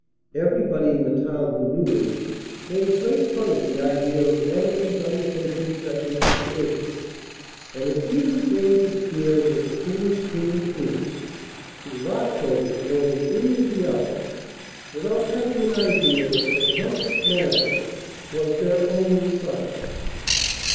Everybody in the town who knew him made great fun of the idea of Mannikin's undertaking such an expedition, and it even came to the ears of the foolish King and Queen, who laughed over it more than any of the others, without having an idea that the presumptuous Mannikin was their only son!